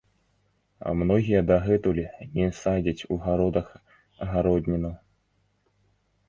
Многія дагэтуль не садзяць у гародах гародніну.